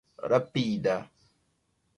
rapida